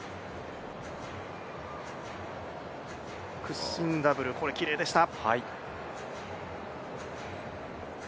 屈伸ダブル、これきれいでした。